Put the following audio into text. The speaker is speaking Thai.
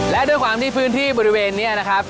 และด้วยความที่พื้นที่บริเวณนี้นะครับ